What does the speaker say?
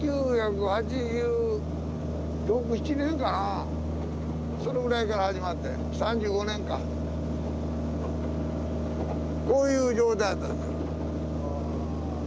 １９８６１９８７年かなそのぐらいから始まって３５年間こういう状態やった。